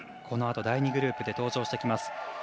このあと第２グループで登場してきます